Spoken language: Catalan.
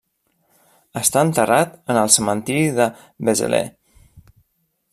Està enterrat en el cementiri de Vézelay.